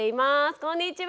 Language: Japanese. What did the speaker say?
こんにちは。